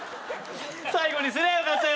最後にすればよかったよ。